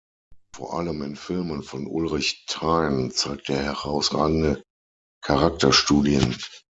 Vor allem in Filmen von Ulrich Thein zeigt er herausragende Charakterstudien.